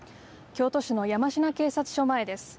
京都市の山科警察署前です。